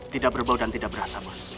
tidak berbau dan tidak berasa mas